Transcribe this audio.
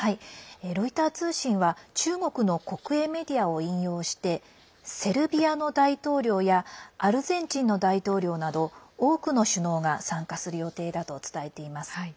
ロイター通信は中国の国営メディアを引用してセルビアの大統領やアルゼンチンの大統領など多くの首脳が参加する予定だと伝えています。